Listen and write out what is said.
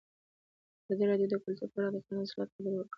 ازادي راډیو د کلتور په اړه د قانوني اصلاحاتو خبر ورکړی.